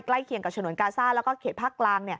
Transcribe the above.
เคียงกับฉนวนกาซ่าแล้วก็เขตภาคกลาง